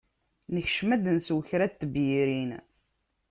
Nekcem ad d-nsew kra n tebyirin.